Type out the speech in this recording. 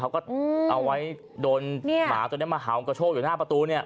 เขาก็เอาไว้โดนหมาตัวนี้มาเห่ากระโชคอยู่หน้าประตูเนี่ย